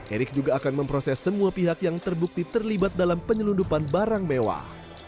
erick juga akan memproses semua pihak yang terbukti terlibat dalam penyelundupan barang mewah